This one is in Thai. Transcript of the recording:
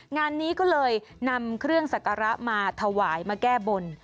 งานนี้ก็เลยนำเครื่องสักการะมาถวายมาแก้บน